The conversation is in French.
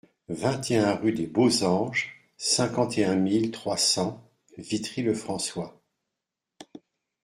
vingt et un rue des Beaux Anges, cinquante et un mille trois cents Vitry-le-François